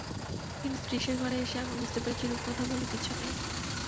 কিন্তু ত্রিশের ঘরে এসে আমি বুঝতে পেরেছি রূপকথা বলে কিছু নেই।